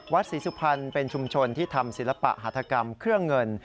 ศรีสุพรรณเป็นชุมชนที่ทำศิลปะหัฐกรรมเครื่องเงิน